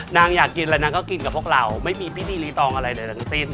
นางอยากกินแล้วนางก็กินกับพวกเราไม่มีพิธีรีตองอะไรใดทั้งสิ้น